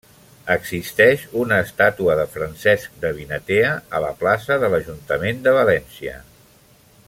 Existeix una estàtua de Francesc de Vinatea a la plaça de l'Ajuntament de València.